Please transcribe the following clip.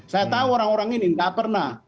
saya tahu orang orang ini tidak pernah